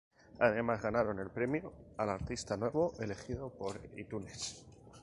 Además ganaron el premio al Artista Nuevo elegido por iTunes.